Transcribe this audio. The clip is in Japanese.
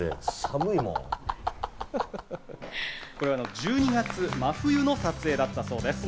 １２月、真冬の撮影だったそうです。